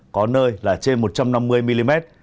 có nơi là trên một trăm năm mươi mm